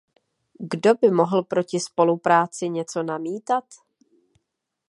Kdo by mohl proti spolupráci něco namítat?